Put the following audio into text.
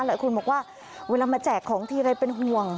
หลายคนบอกว่าเวลามาแจกของทีไรเป็นห่วง